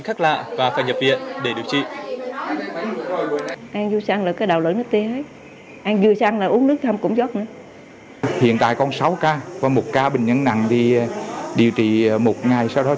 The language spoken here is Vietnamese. khác lạ và phải nhập viện để điều trị